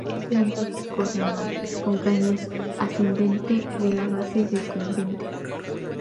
Es una planta viscosa anual; con cañas ascendente de la base decumbente.